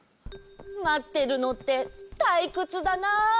まってるのってたいくつだな。